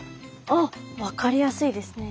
あっ分かりやすいですね。